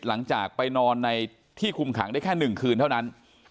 หลังจากไปนอนในที่คุมขังได้แค่๑คืนเท่านั้น